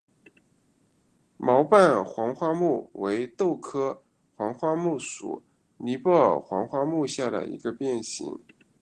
毛瓣黄花木为豆科黄花木属尼泊尔黄花木下的一个变型。